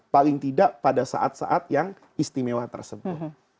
paling tidak pada saat saat yang istimewa tersebut